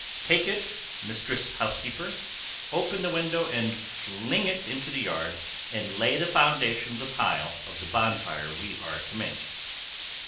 Take it, mistress housekeeper; open the window and fling it into the yard and lay the foundation of the pile for the bonfire we are to make."